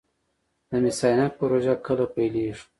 د مس عینک پروژه کله پیلیږي؟